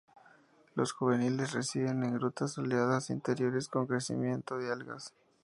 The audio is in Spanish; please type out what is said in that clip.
Los juveniles residen en grutas soleadas interiores con crecimiento de algas.